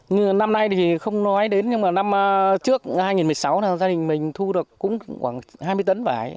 như năm nay thì không nói đến nhưng mà năm trước hai nghìn một mươi sáu là gia đình mình thu được cũng khoảng hai mươi tấn vải